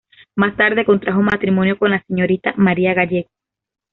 Más tarde contrajo matrimonio con la señorita María Gallegos.